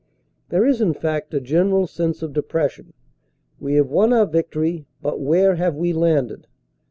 There is, in fact, a general sense of depression. We have won our victory, but where have we landed?